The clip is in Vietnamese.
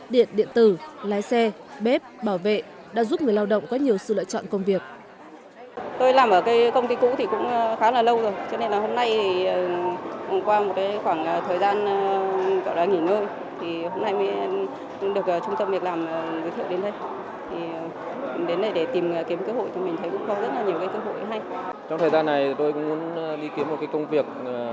điện điện tử lái xe bếp bảo vệ đã giúp người lao động có nhiều sự lựa chọn công việc